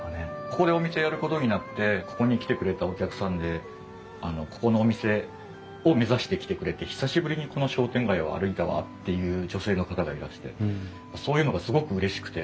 ここでお店やることになってここに来てくれたお客さんでここのお店を目指して来てくれて「久しぶりにこの商店街を歩いたわ」っていう女性の方がいらしてそういうのがすごくうれしくて。